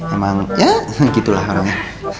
emang ya gitu lah orangnya